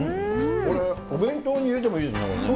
これ、お弁当に入れてもいいですね。